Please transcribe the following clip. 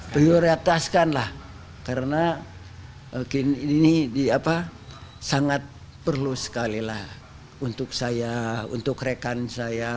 prioritaskanlah karena ini sangat perlu sekali lah untuk saya untuk rekan saya